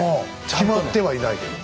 決まってはいないけども。